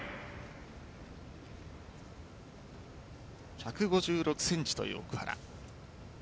１５６ｃｍという奥原。